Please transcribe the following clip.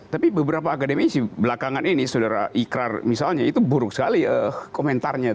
tapi beberapa akademisi belakangan ini saudara ikrar misalnya itu buruk sekali komentarnya